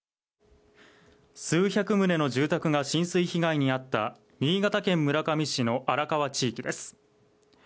数百棟の住宅が浸水被害に遭った新潟県村上市の荒川地域です。